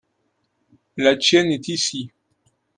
la tienne est ici.